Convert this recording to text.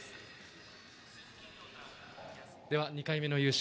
２回目の優勝